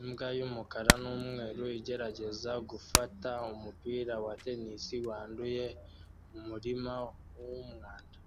Imbwa yumukara numweru igerageza gufata umupira wa tennis wanduye mumurima wumwanda